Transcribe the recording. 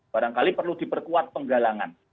barangkali perlu diperkuat penggalangan